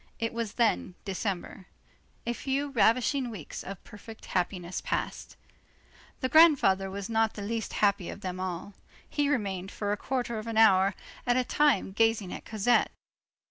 It was then December. A few ravishing weeks of perfect happiness passed. The grandfather was not the least happy of them all. He remained for a quarter of an hour at a time gazing at Cosette.